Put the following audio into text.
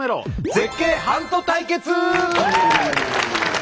絶景ハント対決！